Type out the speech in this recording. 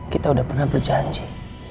kita udah pernah berjanji